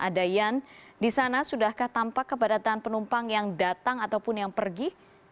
ada yan di sana sudahkah tampak kepadatan penumpang yang datang ataupun yang pergi